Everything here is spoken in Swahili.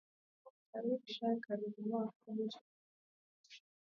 shabir shaik alihukumiwa kifungo cha miaka kumi na tano